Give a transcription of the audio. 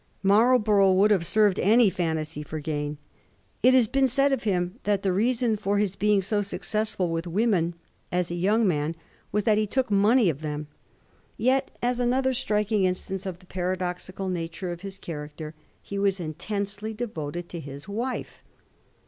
Marlborough would have served any phantasy for gam. It has been said of him that the reason for his being so successful with women as a young man was that he took money of them. Yet, as another striking instance of the paradoxical nature of his character, he was intensely devoted to his wife.